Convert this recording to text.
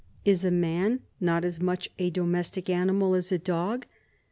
Is a man not as much a domestic animal as a dog?